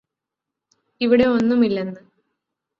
ഇവിടെ ഒന്നുമില്ലെന്ന്